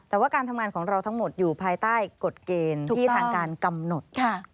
แต่ว่าการทำงานของเราทั้งหมดอยู่ภายใต้กฎเกณฑ์ที่ทางการกำหนด